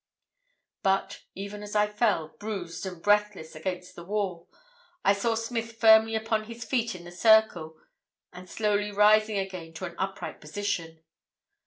"But, even as I fell, bruised and breathless, against the wall, I saw Smith firmly upon his feet in the circle and slowly rising again to an upright position.